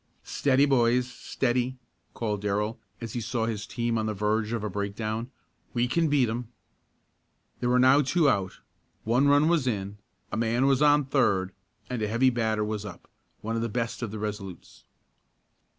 "Steady, boys! Steady!" called Darrell, as he saw his team on the verge of a breakdown. "We can beat 'em!" There were now two out, one run was in, a man was on third and a heavy batter was up one of the best of the Resolutes.